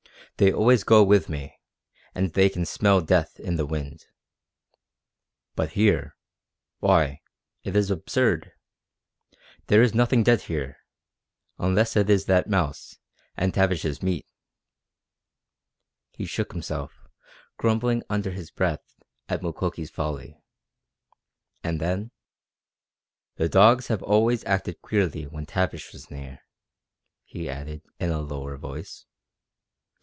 They always go with me, and they can smell death in the wind. But here why, it is absurd! There is nothing dead here unless it is that mouse, and Tavish's meat!" He shook himself, grumbling under his breath at Mukoki's folly. And then: "The dogs have always acted queerly when Tavish was near," he added in a lower voice.